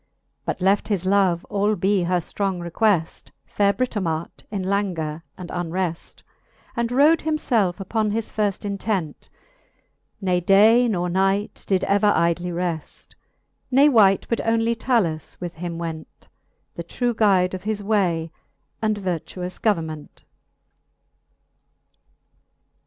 But left his love, albe her ftrong requeft, Faire Britomart in languor and unreft, And rode him felfe uppon his firft intent : Ne day or night did ever idly reft *, Ne wight but onely Talus with him went, The true guide of his way and vertuous government.